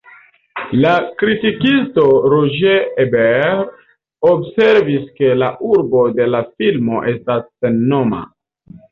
La kritikisto Roger Ebert observis ke la urbo de la filmo estas sennoma.